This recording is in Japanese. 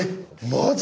マジ？